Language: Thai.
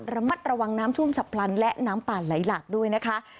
ระมัดระวังน้ำท่วมฉับพลันและน้ำป่าไหลหลากด้วยนะคะ